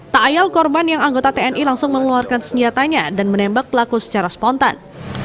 tak ayal korban yang anggota tni langsung mengeluarkan senjatanya dan menembak pelaku secara spontan